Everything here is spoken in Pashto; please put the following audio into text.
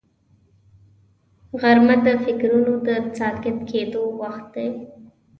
غرمه د فکرونو د ساکت کېدو وخت دی